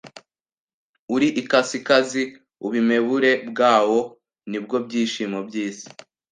"uri ikasikazi ubmebure bwawo nibwo byishimo by'isi